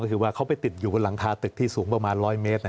ก็คือว่าเขาไปติดอยู่บนหลังคาตึกที่สูงประมาณ๑๐๐เมตร